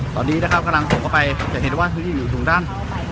ตอนนี้นะครับกำลังส่งเข้าไปจะเห็นว่าพื้นที่อยู่ตรงด้าน